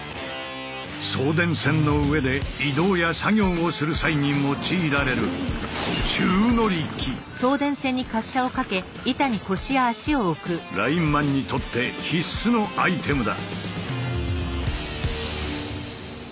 送電線の上で移動や作業をする際に用いられるラインマンにとって必須のアイテムだ。